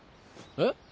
えっ？